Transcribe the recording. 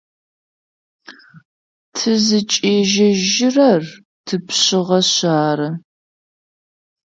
Тызыкӏежьэжьырэр тыпшъыгъэшъ ары.